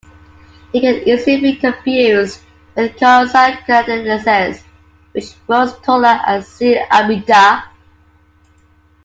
It can easily be confused with "Conyza canadensis", which grows taller, and "C. albida".